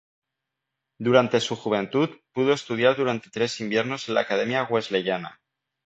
Durante su juventud pudo estudiar durante tres inviernos en la Academia Wesleyana.